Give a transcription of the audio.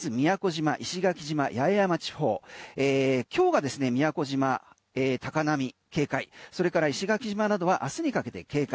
まず宮古島・石垣島・八重山地方影響がですね宮古島、高波警戒。それから石垣島などは明日にかけて警戒。